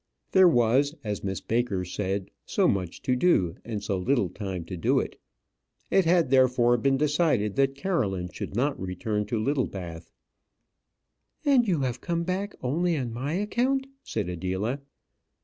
There was, as Miss Baker said, so much to do, and so little time to do it! It had therefore been decided that Caroline should not return to Littlebath. "And you have come back only on my account?" said Adela.